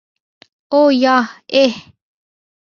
ও yeah - এহ?